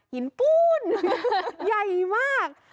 หินปูนใหญ่มาก